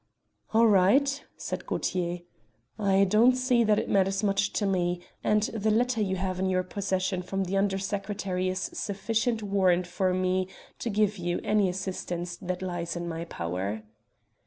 "All right," said Gaultier. "I don't see that it matters much to me, and the letter you have in your possession from the Under Secretary is sufficient warrant for me to give you any assistance that lies in my power."